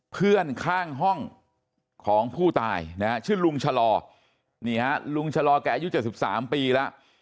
เพื่อนข้างห้องของผู้ตายนะฮะชื่อลุงชะลอนี่ฮะลุงชะลอแกอายุ๗๓ปีแล้ว